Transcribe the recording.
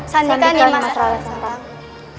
sandika nima santang